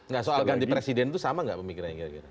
nah soal ganti presiden itu sama gak pemikirannya